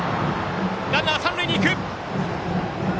ランナー、三塁へいく。